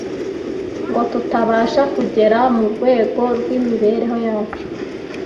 ngo tutabasha kugera mu rwego rw’ Imibereho yacu